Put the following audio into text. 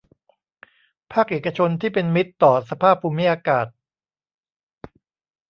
ภาคเอกชนที่เป็นมิตรต่อสภาพภูมิอากาศ